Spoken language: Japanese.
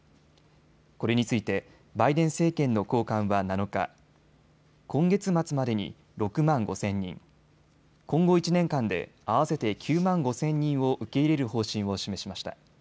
これについてバイデン政権の高官は７日、今月末までに６万５０００人、今後１年間で合わせて９万５０００人を受け入れる方針を示しました。